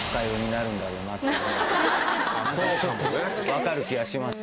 分かる気がします。